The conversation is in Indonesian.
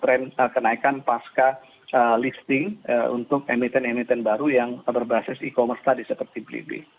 trend kenaikan pasca eee listing eee untuk emiten emiten baru yang berbasis e commerce tadi seperti blibi